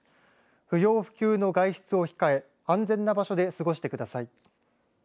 不要不急の外出を控え安全な場所で過ごしてください。